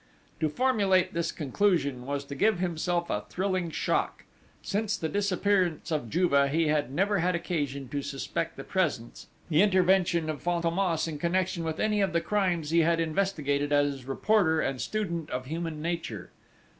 To formulate this conclusion was to give himself a thrilling shock.... Since the disappearance of Juve, he had never had occasion to suspect the presence, the intervention of Fantômas in connection with any of the crimes he had investigated as reporter and student of human nature.